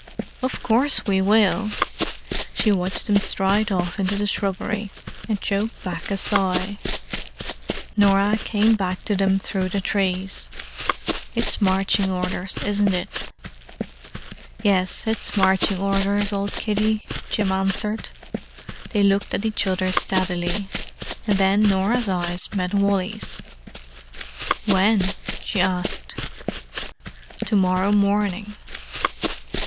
"Of course we will." She watched them stride off into the shrubbery, and choked back a sigh. Norah came back to them through the trees. "It's marching orders, isn't it?" "Yes, it's marching orders, old kiddie," Jim answered. They looked at each other steadily: and then Norah's eyes met Wally's. "When?" she asked. "To morrow morning."